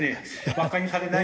バカにされない。